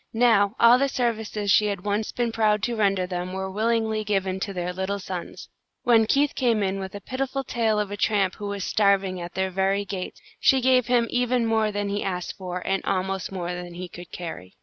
Now, all the services she had once been proud to render them were willingly given to their little sons. When Keith came in with a pitiful tale of a tramp who was starving at their very gates, she gave him even more than he asked for, and almost more than he could carry.